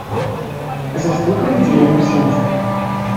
Застукалі дзверы ў сенцах.